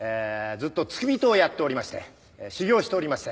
ずっと付き人をやっておりまして修業しておりまして。